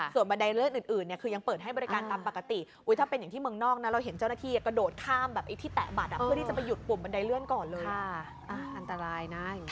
ส่วนบันไดเลื่อนอื่นคือยังเปิดให้บริการตามปกติถ้าเป็นอย่างที่เมืองนอกเราเห็นเจ้าหน้าที่กระโดดข้ามที่แตะบัตรเพื่อที่จะไปหยุดปวดบันไดเลื่อนก่อนเลย